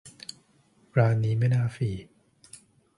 ร้านนี้ไม่น่าฟรี